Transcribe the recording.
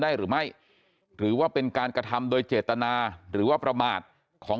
ได้หรือไม่หรือว่าเป็นการกระทำโดยเจตนาหรือว่าประมาทของ